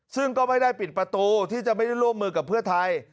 ซึ่งก็ไม่ได้ปิดประตูที่จะไม่ได้ร่วมมือกับเพื่อไทย